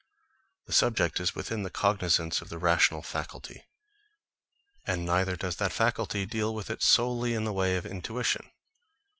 The subject is within the cognisance of the rational faculty; and neither does that faculty deal with it solely in the way of intuition.